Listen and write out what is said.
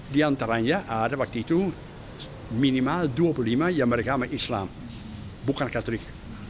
di antaranya ada waktu itu minimal dua puluh lima yang beragama islam bukan katolik